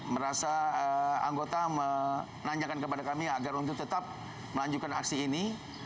merasa anggota menanyakan kepada kami agar untuk tetap melanjutkan aksi ini